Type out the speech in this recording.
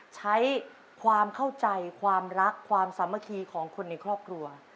ใช้ความเข้าใจความรักความสามัคคีของคนในครอบครัว